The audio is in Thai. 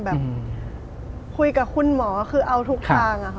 แบบคุยกับคุณหมอคือเอาทุกทางอะค่ะ